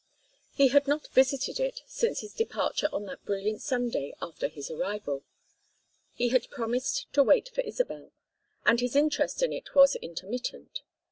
He had not visited it since his departure on that brilliant Sunday after his arrival; he had promised to wait for Isabel, and his interest in it was intermittent.